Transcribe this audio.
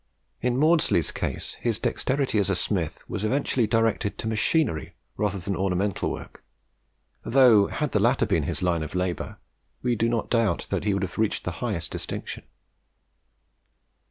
In Maudslay's case, his dexterity as a smith was eventually directed to machinery, rather than ornamental work; though, had the latter been his line of labour, we do not doubt that he would have reached the highest distinction.